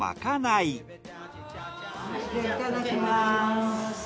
いただきます。